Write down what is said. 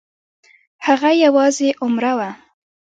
هغه یوازې عمره وه.